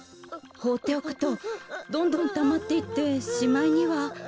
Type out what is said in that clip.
ほうっておくとどんどんたまっていってしまいには。